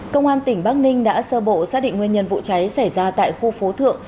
công an tỉnh bắc ninh đã sơ bộ xác định nguyên nhân vụ cháy xảy ra tại khu phố thượng